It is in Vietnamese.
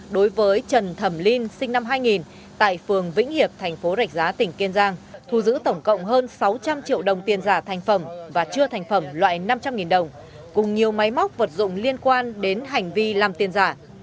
đối với trần thẩm linh sinh năm hai nghìn tại phường vĩnh hiệp thành phố rạch giá tỉnh kiên giang thu giữ tổng cộng hơn sáu trăm linh triệu đồng tiền giả thành phẩm và chưa thành phẩm loại năm trăm linh đồng cùng nhiều máy móc vật dụng liên quan đến hành vi làm tiền giả